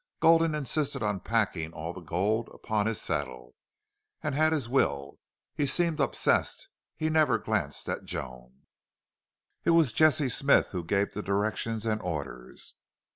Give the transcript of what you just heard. Gulden insisted on packing all the gold upon his saddle, and had his will. He seemed obsessed; he never glanced at Joan. It was Jesse Smith who gave the directions and orders.